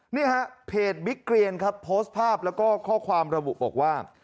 เนี่ยฮะเพจบิ๊กเกรียนครับโพสต์ภาพแล้วก็ข้อความระบุบอกว่า